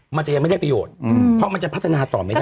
มันจะยังไม่ได้ประโยชน์เพราะมันจะพัฒนาต่อไม่ได้